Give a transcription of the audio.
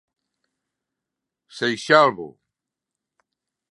Seixalbo.